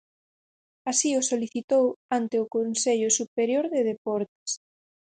Así o solicitou ante o Consello Superior de Deportes.